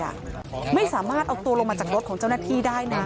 ไม่สามารถเอาตัวลงมาจากรถของเจ้าหน้าที่ได้นะ